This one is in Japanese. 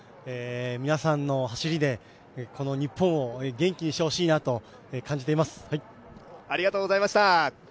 皆さんの走りでこの日本を元気にしてほしいなと感じています。